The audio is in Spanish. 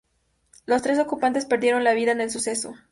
Los tres ocupantes perdieron la vida en el suceso.